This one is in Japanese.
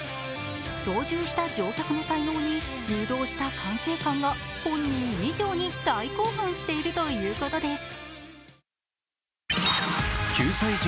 操縦した乗客の才能に誘導した管制官が本人以上に大興奮しているということです。